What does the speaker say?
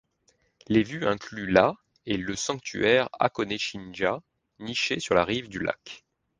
Les vues incluent la et le sanctuaire Hakone-jinja, niché sur la rive du lac.